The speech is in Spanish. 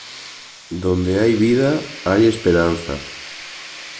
Donde hay vida hay esperanza.